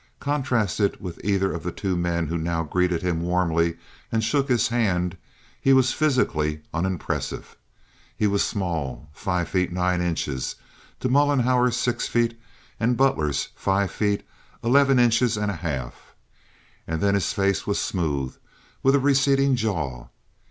Contrasted with either of the two men who now greeted him warmly and shook his hand, he was physically unimpressive. He was small—five feet nine inches, to Mollenhauer's six feet and Butler's five feet eleven inches and a half, and then his face was smooth, with a receding jaw.